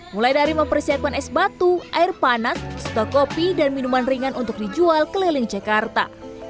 mulai dari mempersiapkan es batu air panas stok kopi dan minuman ringan untuk dijual keliling jakarta